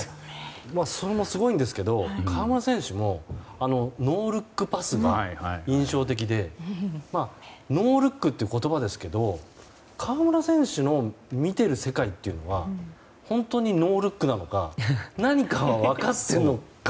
それもすごいんですけど河村選手もノールックパスが印象的でノールックという言葉ですけど河村選手の見ている世界っていうのは本当にノールックなのか何か分かってるのか